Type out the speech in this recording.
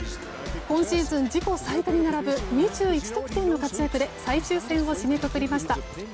今シーズン自己最多に並ぶ２１得点の活躍で最終戦を締めくくりました。